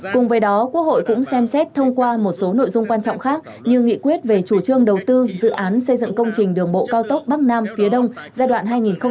cùng với đó quốc hội cũng xem xét thông qua một số nội dung quan trọng khác như nghị quyết về chủ trương đầu tư dự án xây dựng công trình đường bộ cao tốc bắc nam phía đông giai đoạn hai nghìn một mươi sáu hai nghìn hai mươi